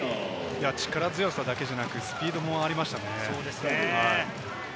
力強さだけでなく、スピードもありましたね。